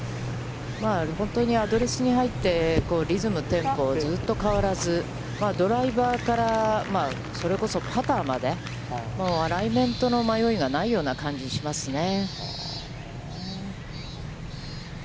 本当にアドレスに入って、リズム、テンポ、ずっと変わらず、ドライバーから、それこそパターまで、アライメントの迷いがない感じがしますね。